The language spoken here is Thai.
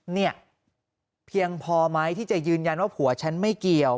เนี่ยเพียงพอไหมที่จะยืนยันว่าผัวฉันไม่เกี่ยว